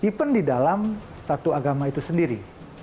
tipe di dalam satu agama itu sendiri